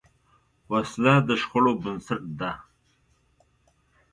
وسله د شخړو بنسټ ده